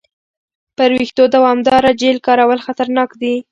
پر وېښتو دوامداره جیل کارول خطرناک دي.